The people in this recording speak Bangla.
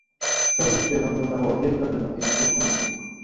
চলচ্চিত্রে নগ্নতা ও অশ্লীলতার জন্য তিনি খুব সমালোচিত।